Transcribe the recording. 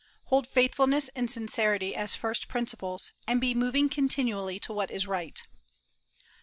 Hold faithfulness and sincerity as first principles, and be moving continually to what is right."